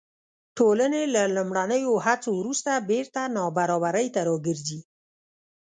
ټولنې له لومړنیو هڅو وروسته بېرته نابرابرۍ ته راګرځي.